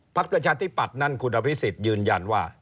ประชาธิปัตย์นั้นคุณอภิษฎยืนยันว่า